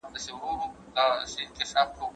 عملي سياست تر نظري سياست زيات پېچلی دی.